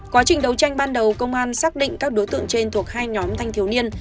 quá trình đấu tranh ban đầu công an xác định các đối tượng trên thuộc hai nhóm thanh thiếu niên